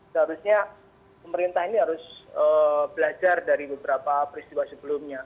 seharusnya pemerintah ini harus belajar dari beberapa peristiwa sebelumnya